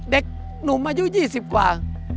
เด็กหนุ่มอายุ๒๐กว่า